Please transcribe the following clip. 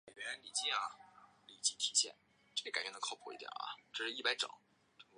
莹蚬蝶属是蚬蝶科蚬蝶亚科树蚬蝶族里的一个属。